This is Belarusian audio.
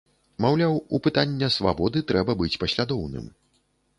Маўляў, у пытання свабоды трэба быць паслядоўным.